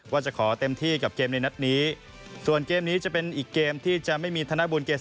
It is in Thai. ว่าจะขอเต็มที่กับเกมในนัดนี้ส่วนเกมนี้จะเป็นอีกเกมที่จะไม่มีธนบุญเกษ